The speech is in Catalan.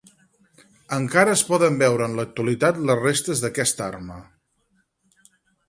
Encara es poden veure en l'actualitat les restes d'aquesta arma.